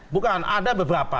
bukan ada beberapa